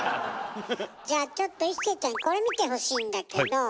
じゃちょっと一生ちゃんこれ見てほしいんだけど。